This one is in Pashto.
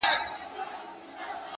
علم د انسان د فکر رڼا ده!